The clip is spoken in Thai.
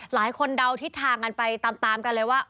เดาทิศทางกันไปตามกันเลยว่า